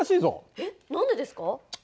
えっ何でですか？